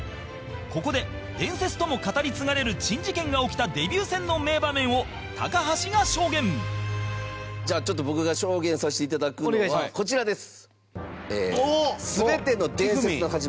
ここで、伝説とも語り継がれる珍事件が起きたデビュー戦の名場面を高橋が証言じゃあ、ちょっと僕が証言させていただくのはこちらです。